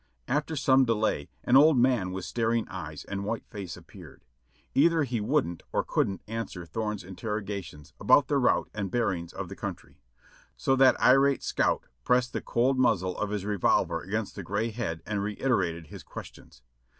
After some delay an old man with staring eyes and white face appeared. Either he wouldn't or couldn't answer Thome's interrogations about the route and bearings of the country; so that irate scout pressed the cold muzzle of his revolver against the gray head and reiterated his questions.